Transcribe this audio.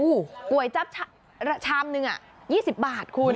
ก๋วยจับชามนึง๒๐บาทคุณ